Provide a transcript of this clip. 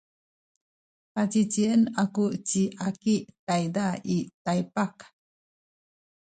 pacicien aku ci Aki tayza i Taypak.